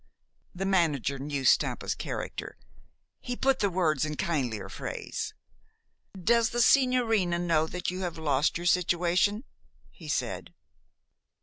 The manager knew Stampa's character. He put the words in kindlier phrase. "Does the sigñorina know that you have lost your situation?" he said.